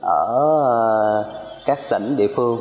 ở các tỉnh địa phương